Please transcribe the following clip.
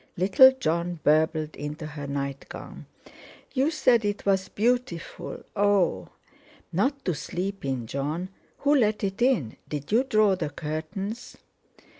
Little Jon burbled into her nightgown "You said it was beautiful. Oh!" "Not to sleep in, Jon. Who let it in? Did you draw the curtains?"